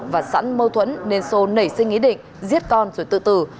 và sẵn mâu thuẫn nên sô nảy sinh ý định giết con rồi tự tử